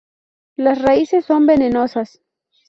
Las raíces son venenosas.